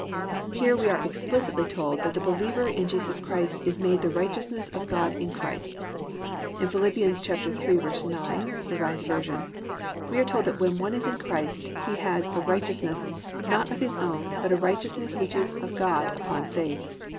"+ Here we are explicitly told that the believer in Jesus Christ is made the righteousness of God in Christ. In Phil. 3:9, R. V. we are told that when one is in Christ he has a righteousness not of his own, but a "righteousness which is of God upon faith."